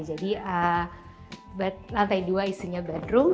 jadi lantai dua isinya bedroom